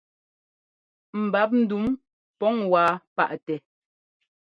Ḿbap ndǔm pǔŋ wá paʼtɛ.